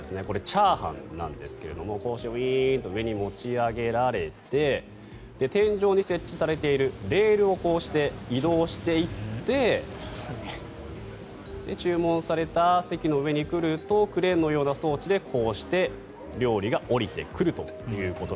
これチャーハンですがウィーンと上に持ち上げられて天井に設置されているレールをこうして移動していって注文された席の上に来るとクレーンのような装置でこうして料理が下りてくると。